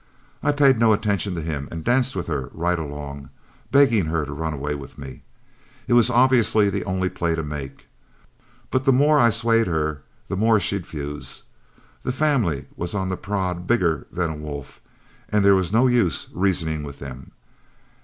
I paid no attention to him, and danced with her right along, begging her to run away with me. It was obviously the only play to make. But the more I'd 'suade her the more she'd 'fuse. The family was on the prod bigger than a wolf, and there was no use reasoning with them.